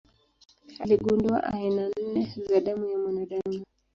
Aligundua aina nne za damu ya mwanadamu.